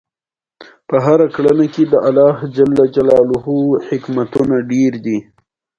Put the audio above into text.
په جنګ کې کورونه ورانېږي.